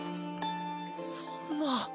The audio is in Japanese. そんな。